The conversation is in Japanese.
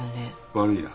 悪いな。